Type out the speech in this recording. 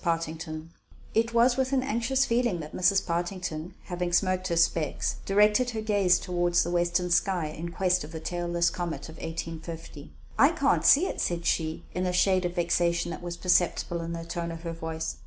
SEEKING A COMET It was with an anxious feeling that Mrs. Partington, having smoked her specs, directed her gaze toward the western sky, in quest of the tailless comet of 1850. "I can't see it," said she; and a shade of vexation was perceptible in the tone of her voice.